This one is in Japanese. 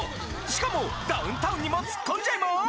しかもダウンタウンにもツッコんじゃいます！